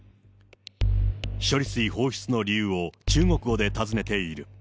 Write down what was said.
処理水放出の理由を中国語で尋ねている。